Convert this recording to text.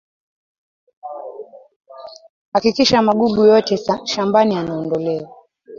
Hakikisha magugu yote shambani yanaondolewa